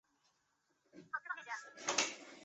匹兹堡铁人队的发起球队之一。